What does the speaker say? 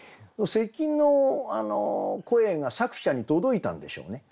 咳の声が作者に届いたんでしょうね。